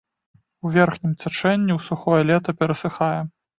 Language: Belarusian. У верхнім цячэнні ў сухое лета перасыхае.